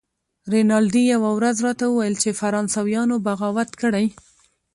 رینالډي یوه ورځ راته وویل چې فرانسویانو بغاوت کړی.